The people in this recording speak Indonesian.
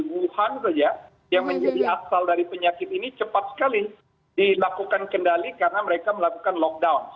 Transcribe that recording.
wuhan saja yang menjadi asal dari penyakit ini cepat sekali dilakukan kendali karena mereka melakukan lockdown